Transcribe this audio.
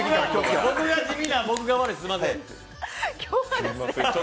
地味な僕が悪い、すみません